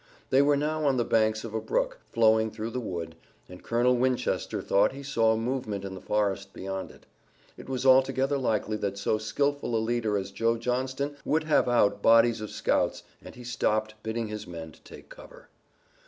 They were now on the banks of a brook, flowing through the wood, and Colonel Winchester thought he saw a movement in the forest beyond it. It was altogether likely that so skillful a leader as Joe Johnston would have out bodies of scouts, and he stopped, bidding his men to take cover.